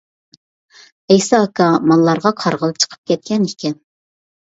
ئەيسا ئاكا ماللارغا قارىغىلى چىقىپ كەتكەن ئىكەن.